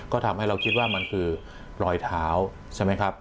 ก็ทำให้เราคิดว่ามันคือรอยเท้าใช่ไหมครับ